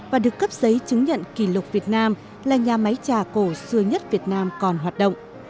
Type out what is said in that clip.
và được cấp giấy chứng nhận kỷ lục việt nam là nhà máy trà cổ xưa nhất việt nam còn hoạt động